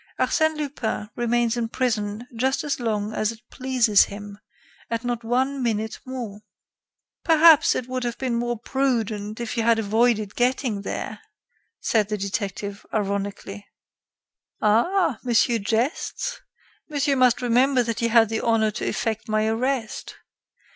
Arsène Lupin remains in prison just as long as it pleases him, and not one minute more." "Perhaps it would have been more prudent if you had avoided getting there," said the detective, ironically. "Ah! monsieur jests? Monsieur must remember that he had the honor to effect my arrest.